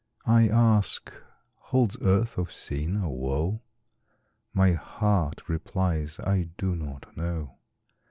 I ask, "Holds earth of sin, or woe?" My heart replies, "I do not know."